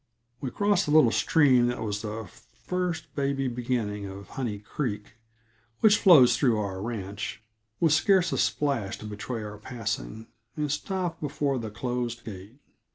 We crossed the little stream that is the first baby beginning of Honey Creek which flows through our ranch with scarce a splash to betray our passing, and stopped before the closed gate.